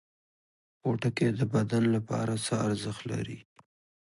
پوټکی د بدن لپاره څه ارزښت لري؟